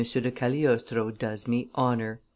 de Cagliostro does me honor."